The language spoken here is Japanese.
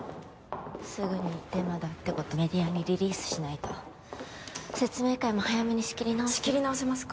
すぐにデマだってことメディアにリリースしないと説明会も早めに仕切り直して仕切り直せますか？